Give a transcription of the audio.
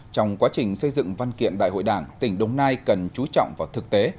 trong quá trình xây dựng văn kiện đại hội đảng tỉnh đồng nai cần chú trọng vào thực tế